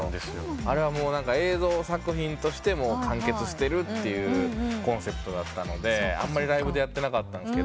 あれは映像作品として完結してるっていうコンセプトだったのであんまりライブでやってなかったんです。